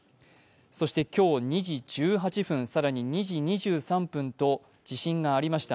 そして今日２時１８分、更に２時２３分と地震がありました。